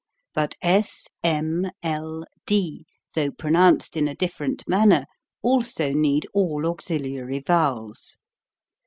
But s, m, I, d, though pronounced in a different manner, also need all auxiliary vowels.